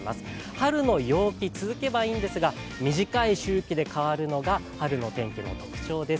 春の陽気、続けばいいんですが短い周期で変わるのが春の天気の特徴です。